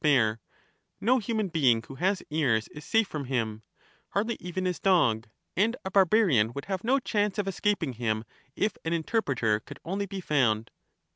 spare ; no human being who has ears is safe from him, hardly even his dog, and a barbarian would have no chance of escaping him, if an interpreter could only be found.